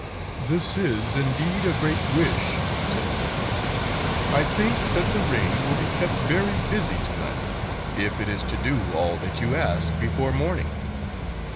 "This is, indeed, a great wish," said the dog. " I think that the ring will be kept very busy to night, if it is to do all that you ask before morning."